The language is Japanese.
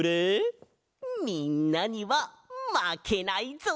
みんなにはまけないぞ！